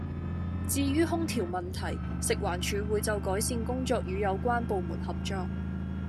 至於空調問題，食環署會就改善工作與有關部門合作